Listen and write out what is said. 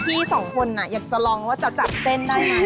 พี่สองคนอยากจะลองว่าจะจับเส้นได้ไหม